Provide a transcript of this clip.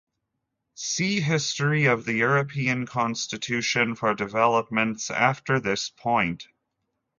See History of the European Constitution for developments after this point.